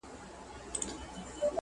چي ما نادر داسي څوک لیدلی دی